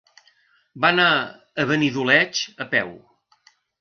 Va anar a Benidoleig a peu.